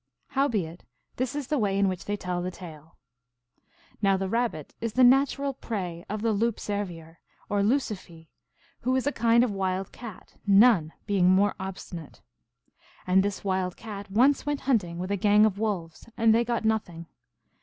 Howbeit, this is the way in which they tell the tale. Now the Rabbit is the natural prey of the Loup Cervier, or Lusifee, who is a kind of wild cat, none being more obstinate. And this Wild Cat once went hunting with a gang of wolves, and they got nothing.